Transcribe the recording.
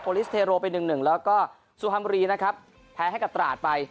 โปรลิสเทโรไปหนึ่งหนึ่งแล้วก็สุฮัมรีนะครับแพ้ให้กระตราดไป